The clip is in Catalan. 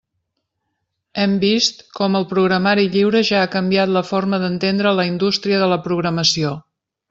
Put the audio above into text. Hem vist com el programari lliure ja ha canviat la forma d'entendre la indústria de la programació.